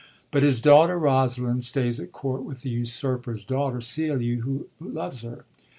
But his daiighter RosaUnd stays at Court with the usurper's daughter, Celia, who loves her.